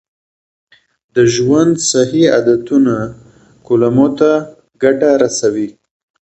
د ژوند صحي عادتونه کولمو ته ګټه رسوي.